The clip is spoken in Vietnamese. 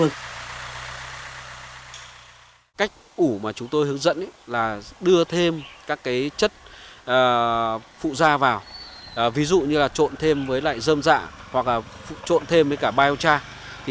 cách ủ mà chúng tôi hướng dẫn là đưa thêm các chất phụ da vào ví dụ như trộn thêm với dơm dạ hoặc trộn thêm với biochar